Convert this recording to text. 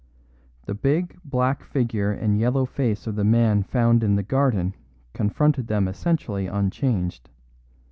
The big black figure and yellow face of the man found in the garden confronted them essentially unchanged.